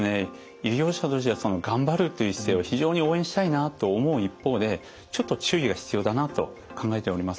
医療者としては頑張るという姿勢は非常に応援したいなと思う一方でちょっと注意が必要だなと考えております。